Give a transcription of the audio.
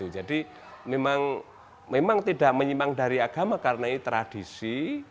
jadi memang tidak menyimbang dari agama karena ini tradisi